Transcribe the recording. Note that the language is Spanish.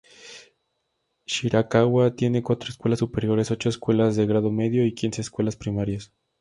Shirakawa tiene cuatro escuelas superiores, ocho escuelas de grado medio y quince escuelas primarias.